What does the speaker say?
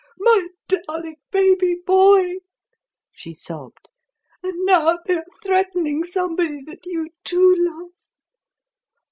My darling baby boy!" she sobbed. "And now they are threatening somebody that you, too, love.